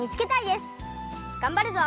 がんばるぞ！